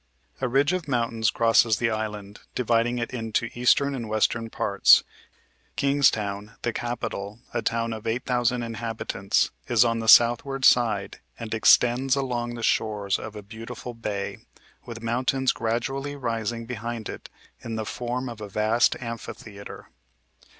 A ridge of mountains crosses the island, dividing it into eastern and western parts. Kingstown, the capital, a town of 8,000 inhabitants, is on the southward side and extends along the shores of a beautiful bay, with mountains gradually rising behind it in the form of a vast amphitheatre.